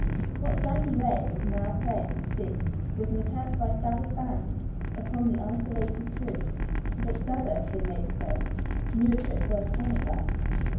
What Sandy Ray was now praying to see was an attack by Stabber's band upon the isolated troop, but Stabber, it may be said, knew a trick worth ten of that.